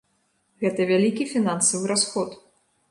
Гэта вялікі фінансавы расход.